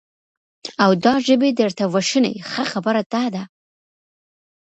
او دا ژبې درته وشني، ښه خبره دا ده،